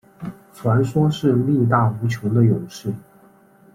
传说是力大无穷的勇士。